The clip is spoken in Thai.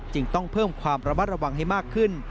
จึงต้องเพิ่มความระมัดระวังให้มากขึ้น